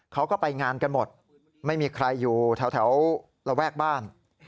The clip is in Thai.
เขาก็ไปงานกันหมดไม่มีใครอยู่แถวระแวกบ้าน